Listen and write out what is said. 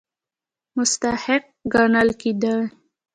مستحق ګڼل کېدی.